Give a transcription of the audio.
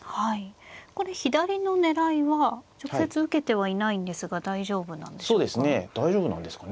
これ左の狙いは直接受けてはいないんですが大丈夫なんでしょうか。